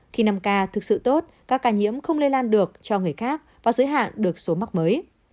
khi năm ca thực sự tốt các ca nhiễm không lây lan được cho người khác và giới hạn được số mắc mới